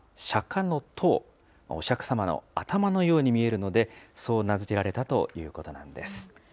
釈迦のとう、お釈迦様の頭のように見えるので、そう名付けられたということなんです。